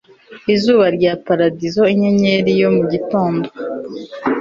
Izuba rya paradizo inyenyeri yo mu gitondo